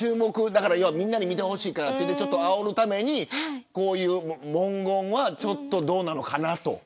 みんなに見てほしいからあおるためにこういう文言はちょっと、どうなのかなと。